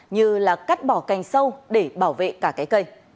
như là cắt bỏ cành sâu để bảo vệ cả cái cây